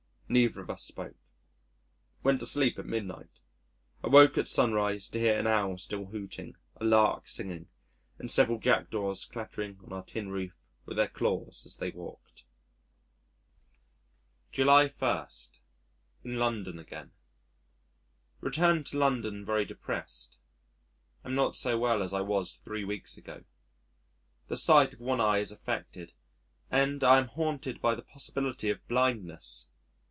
Neither of us spoke.... Went to sleep at midnight. Awoke at sunrise to hear an Owl still hooting, a Lark singing, and several Jackdaws clattering on our tin roof with their claws as they walked. July 1. In London Again Returned to London very depressed. Am not so well as I was three weeks ago. The sight of one eye is affected, and I am haunted by the possibility of blindness.